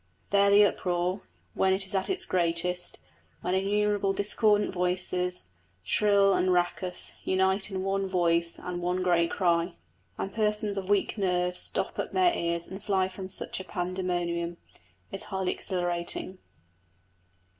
There the uproar, when it is at its greatest, when innumerable discordant voices, shrill and raucous, unite in one voice and one great cry, and persons of weak nerves stop up their ears and fly from such a pandemonium, is highly exhilarating.